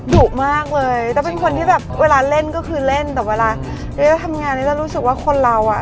ดุมากเลยถ้าเป็นคนที่แบบเวลาเล่นก็คือเล่นแต่เวลาทำงานนี้จะรู้สึกว่าคนเราอ่ะ